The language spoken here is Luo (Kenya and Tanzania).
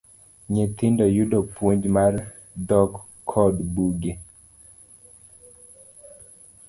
Nyithindo yudo puonj mar dhok kod buge.